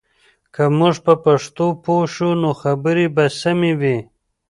که موږ په پښتو پوه شو، نو خبرې به سمې وي.